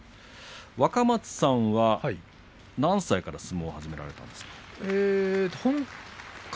若松さんは、何歳から相撲を始められましたか？